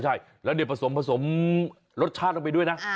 ใช่แล้วเนี่ยผสมผสมรสชาติลงไปด้วยนะ